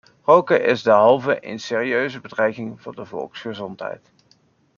Roken is derhalve een serieuze bedreiging voor de volksgezondheid.